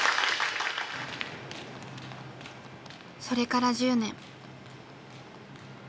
それから１０年。